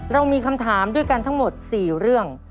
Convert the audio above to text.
เรามีคำถามด้วยกันทั้งหมด๔เรื่อง